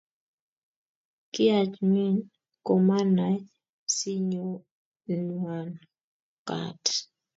Kiachmin komanai sinyonwan kaaat